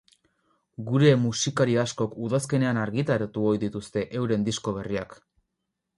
Gure musikari askok udazkenean argitaratu ohi dituzte euren disko berriak.